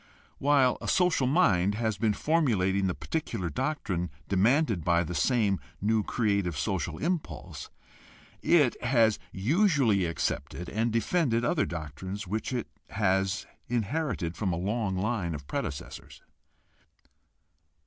While a social mind has been formulating the particular doctrine demanded by the same new creative social impulse, it has usually accepted and defended other doctrines which it has inherited from a long line of predecessors.